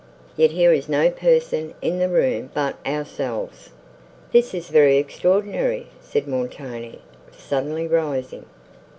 Yet here is no person in the room but ourselves!" "This is very extraordinary," said Montoni, suddenly rising.